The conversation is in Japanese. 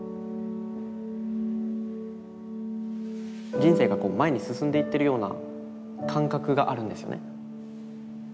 人生が前に進んでいってるような感覚があるんですよね。